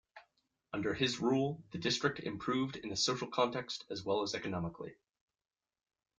Under his rule, the district improved in a social context as well as economically.